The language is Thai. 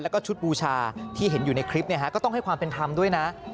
แล้วก็ชุดบูชาที่เห็นอยู่ในคลิปก็ต้องให้ความเป็นธรรมด้วยนะ